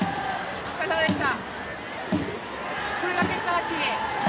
お疲れさまでした！